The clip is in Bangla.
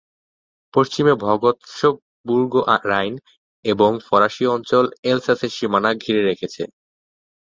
পশ্চিমে ভগৎসবুর্গ রাইন এবং ফরাসি অঞ্চল এলসাসের সীমানা ঘিরে রেখেছে।